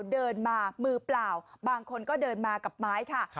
เดินมามือเปล่าบางคนก็เดินมากับไม้ค่ะ